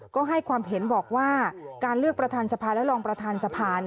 ก็ให้ความเห็นบอกว่าการเลือกประธานสภาและรองประธานสภา